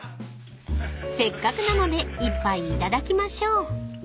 ［せっかくなので一杯頂きましょう］